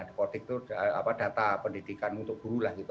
depotik itu data pendidikan untuk guru lah gitu